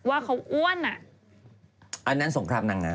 ว่าเขาอ้วน